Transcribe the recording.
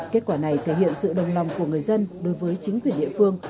kết quả này thể hiện sự đồng lòng của người dân đối với chính quyền địa phương